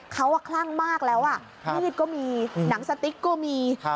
เขาคลั่งมากแล้วมีดก็มีหนังสติ๊กก็มี